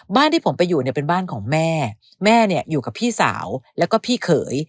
ที่ผมไปอยู่เนี่ยเป็นบ้านของแม่แม่เนี่ยอยู่กับพี่สาวแล้วก็พี่เขย